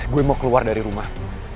gue mau keluar dari rumah